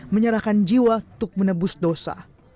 menyerahkan jiwa untuk menebus dosa